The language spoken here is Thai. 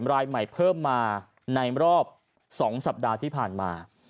รายใหม่เพิ่มมาในรอบ๒สัปดาห์ที่ผ่านมา